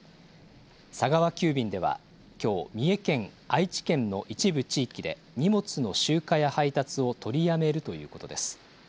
佐川急便ではきょう、三重県、愛知県の一部地域で、荷物の集荷や配達を取りやめるということです。